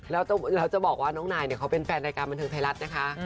เพราะว่าน้องนายเขาเป็นแฟนรายการมัฒน์เทิงไทรรัสนะคะ